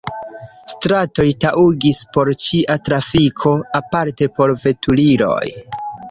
Stratoj taŭgis por ĉia trafiko, aparte por veturiloj.